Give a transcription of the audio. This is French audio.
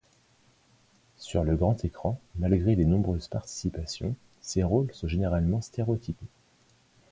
Sur le grand écran, malgré les nombreuses participations, ses rôles sont généralement stéréotypés.